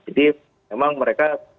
jadi memang mereka